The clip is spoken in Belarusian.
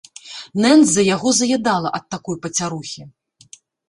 Нэндза яго заядала ад такой пацярухі.